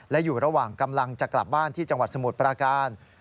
และอยู่ระหว่างกำลังจะกลับบ้านที่จังหวัดสมุทรปราการ